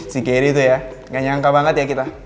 si geri tuh ya gak nyangka banget ya kita